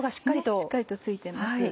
しっかりと付いてます。